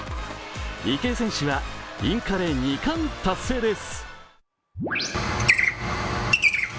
池江選手はインカレ２冠達成です。